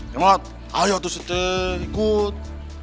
kemot ayo terus ikut